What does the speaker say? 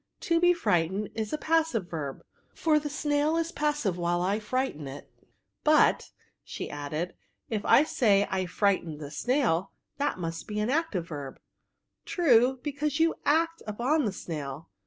To be frightened is a passive verb, for the snail is passive while I frighten it ; but," added she, " if I say I frighten the snail, that must be an active verb." " True, because you act upon the snail.